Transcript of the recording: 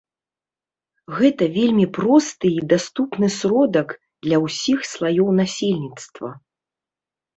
Гэта вельмі просты і даступны сродак для ўсіх слаёў насельніцтва.